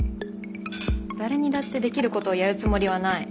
誰にだってできることをやるつもりはない。